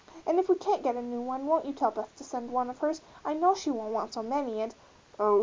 And if we can't get a new one won't you tell Beth to send one of hers? I know she won't want so many and " "Oh!